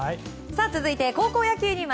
続いて高校野球。